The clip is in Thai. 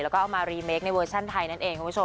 แล้วก็เอามาใหมกหัวในเวอชั่นไทยนั่นเอง